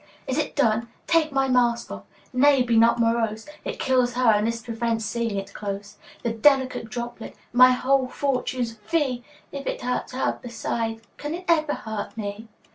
40 Is it done? Take my mask off! Nay, be not morose; It kills her, and this prevents seeing it close: The delicate droplet, my whole fortune's fee! If it hurts her, beside, can it ever hurt me?